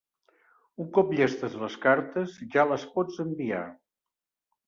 Un cop llestes les cartes, ja les pots enviar.